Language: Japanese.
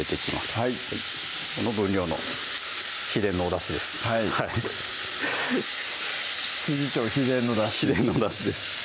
はい分量の秘伝のおだしですはい調秘伝のだし秘伝のだしです